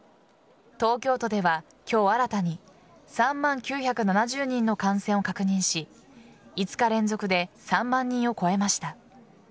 東京都では今日新たに３万９７０人の感染を確認し５日連続で３万人を超えました。